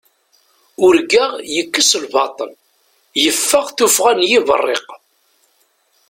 Urgaɣ yekkes lbaṭel, yeffeɣ tuffɣa n yiberriq.